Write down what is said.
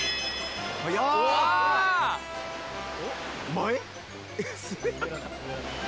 前？